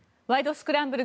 スクランブル」